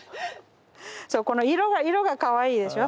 そうこの色がかわいいでしょ？